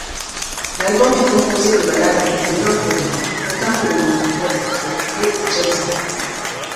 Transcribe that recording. L'album est composé de ballades mélancoliques, autant que de morceaux pop frais et jazzy.